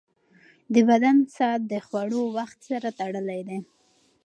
د بدن ساعت د خوړو وخت سره تړلی دی.